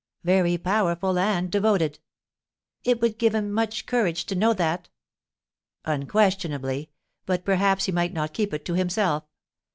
"Very powerful and devoted." "It would give him much courage to know that." "Unquestionably; but perhaps he might not keep it to himself.